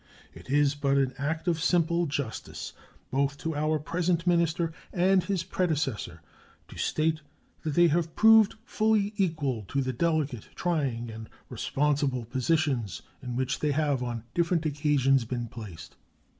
It is but an act of simple justice, both to our present minister and his predecessor, to state that they have proved fully equal to the delicate, trying, and responsible positions in which they have on different occasions been placed.